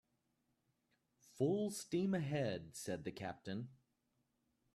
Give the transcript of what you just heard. "Full steam ahead," said the captain.